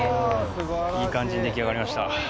いい感じに出来上がりました。